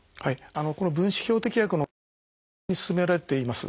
この分子標的薬の研究は今盛んに進められています。